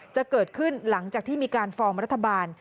จะเกิดขึ้นหลังจากที่มีการฟอร์มรัฐบาล